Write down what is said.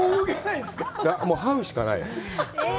もうはうしかない。